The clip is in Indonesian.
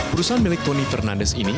perusahaan milik tony fernandes ini